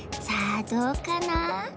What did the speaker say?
さあどうかな？